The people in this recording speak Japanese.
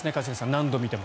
何度見ても。